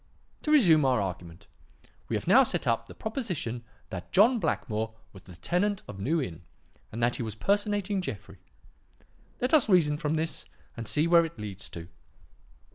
"To resume our argument. We have now set up the proposition that John Blackmore was the tenant of New Inn and that he was personating Jeffrey. Let us reason from this and see what it leads to.